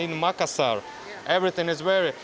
di makassar semuanya sangat baik